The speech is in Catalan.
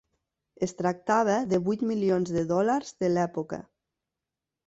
Es tractava de vuit milions de dòlars de l'època.